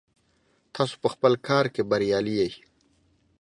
تاسو په خپل کار کې بریالي یئ.